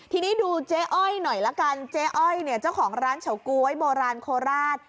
ทีนี้ดูเจ๊อ้อยหน่อยละกันเจ๊อ้อยเนี่ยเจ้าของร้านเฉาก๊วยโบราณโคราช